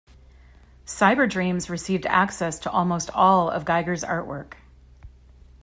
Cyberdreams received access to almost all of Giger's artwork.